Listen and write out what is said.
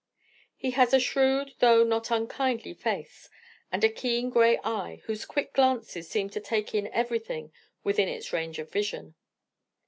He has a shrewd though not unkindly face, and a keen grey eye whose quick glances seem to take in everything within its range of vision.